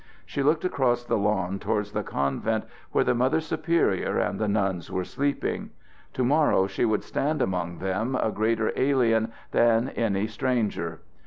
She looked across the lawn towards the convent where the Mother Superior and the nuns were sleeping. To morrow she would stand among them a greater alien than any stranger.